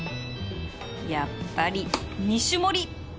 やっぱり２種盛！